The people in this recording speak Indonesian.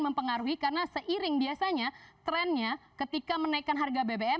mempengaruhi karena seiring biasanya trennya ketika menaikkan harga bbm